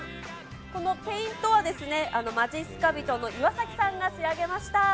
このペイントはですね、まじっすか人の岩崎さんが仕上げました。